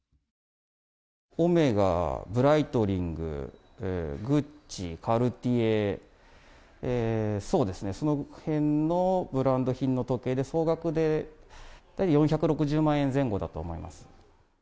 オメガ、ブライトリング、グッチ、カルティエ、そうですね、そのへんのブランド品の時計で、総額で４６０万円前後だと思います。